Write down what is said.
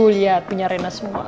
lihat punya rena semua